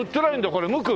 これ無垢？